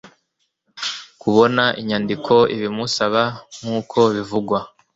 kubona inyandiko ibimusaba nk uko bivugwa